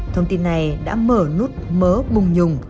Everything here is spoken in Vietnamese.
thông tin này đã mở nút mớ bùng nhùng